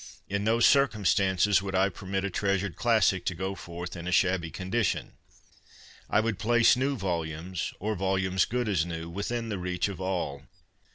In no circumstances would I permit a treasured classic to go forth in a shabby condition. I would place new volumes, or volumes good as new, within the reach of all.